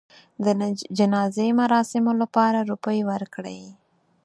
د جنازې مراسمو لپاره روپۍ ورکړې.